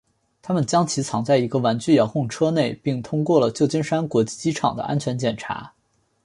他们将其藏在一个玩具遥控车内并通过了旧金山国际机场的安全检查。